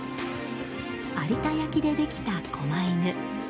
有田焼でできた狛犬。